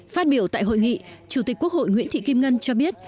phát biểu tại hội nghị chủ tịch quốc hội nguyễn thị kim ngân cho biết